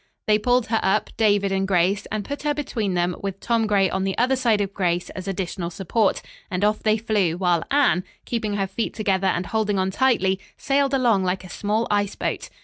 They pulled her up, David and Grace, and put her between them with Tom Gray on the other side of Grace as additional support, and off they flew, while Anne, keeping her feet together and holding on tightly, sailed along like a small ice boat.